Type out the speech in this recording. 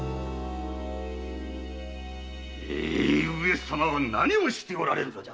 上様は何をしておられる！